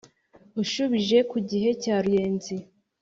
ushubije ku gihe cya ruyenzi: